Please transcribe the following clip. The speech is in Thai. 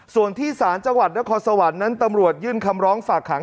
ส่วนที่ศาลจังหวัดนครสวรรค์นั้นตำรวจยื่นคำร้องฝากขัง